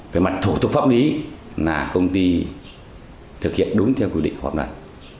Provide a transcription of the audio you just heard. về mặt thủ tục pháp lý là công ty thực hiện đúng theo quy định hoạt động